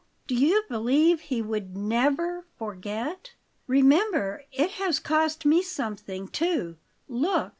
Do you believe he would NEVER forget? Remember, it has cost me something, too. Look!"